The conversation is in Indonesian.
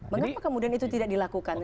mengapa kemudian itu tidak dilakukan